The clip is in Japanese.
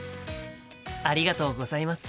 ありがとうございます。